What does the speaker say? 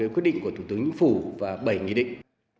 một mươi quyết định của thủ tướng chính phủ và bảy nghị định